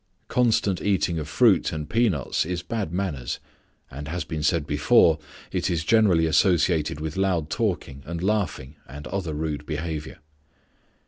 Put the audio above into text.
Constant eating of fruit and peanuts is bad manners, and, as has been said before, it is generally associated with loud talking and laughing and other rude behavior.